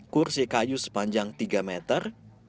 kursi kayu sepanjang tiga meter